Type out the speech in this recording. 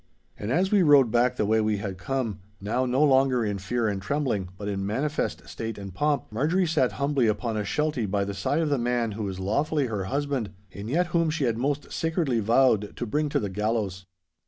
And as we rode back the way we had come—now no longer in fear and trembling, but in manifest state and pomp—Marjorie sate humbly upon a sheltie by the side of the man who was lawfully her husband, and yet whom she had most sacredly vowed to bring to the gallows.